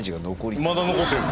まだ残ってる？